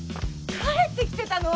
帰ってきてたの？